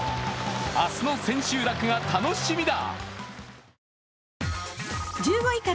明日の千秋楽が楽しみだ。